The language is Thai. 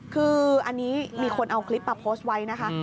คืออันนี้มีคนเอาคลิปมาโพสต์ไว้นะคะ